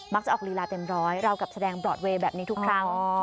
จะออกลีลาเต็มร้อยเรากลับแสดงบรอดเวย์แบบนี้ทุกครั้ง